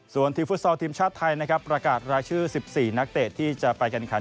ส่วนทีมฟุตซอลทีมชาติไทยนะครับประกาศรายชื่อ๑๔นักเตะที่จะไปกันขัน